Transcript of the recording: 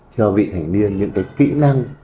cho vị thành niên những cái kỹ năng